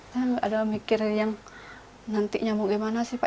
saya nggak ada mikir yang nantinya mau gimana sih pak